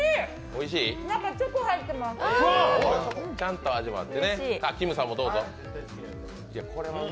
おいしっ。